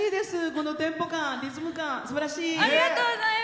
このテンポ感リズム感、すばらしい。